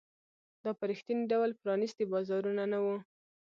دا په رښتیني ډول پرانیستي بازارونه نه وو.